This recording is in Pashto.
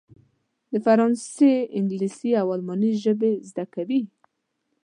د فرانسې، انګلیسي او الماني ژبې زده کوي.